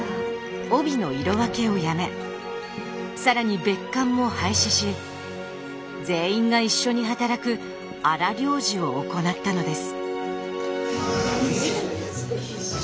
帯の色分けをやめ更に別館も廃止し全員が一緒に働く荒療治を行ったのです。